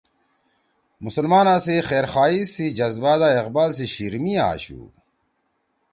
مسلمانا سی خیرخواہی سی جزبہ دا اقبال سی شیِر می آشُو۔